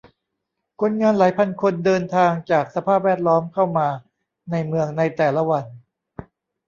คนงานหลายพันคนเดินทางจากสภาพแวดล้อมเข้ามาในเมืองในแต่ละวัน